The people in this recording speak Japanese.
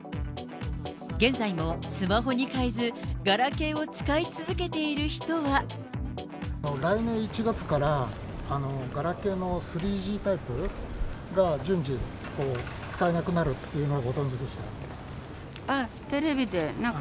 現在もスマホに変えず、来年１月から、ガラケーの３Ｇタイプが順次、使えなくなるっていうのご存じでしたか？